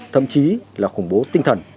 thậm chí là khủng bố tinh thần